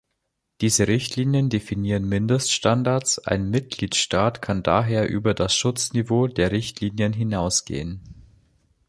Diese Richtlinien definieren Mindeststandards, ein Mitgliedstaat kann daher über das Schutzniveau der Richtlinien hinausgehen.